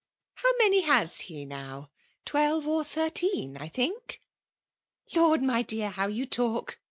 How many has he now? Twelve or thirteen, I think !^'" Lord, my dear, how you talk